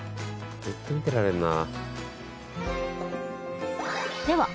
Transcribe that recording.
ずっと見てられるな。